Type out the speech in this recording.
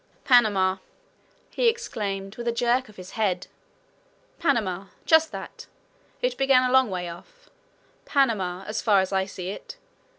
"Panama!" he exclaimed, with a jerk of his head. "Panama! just that! It began a long way off Panama, as far as I see it.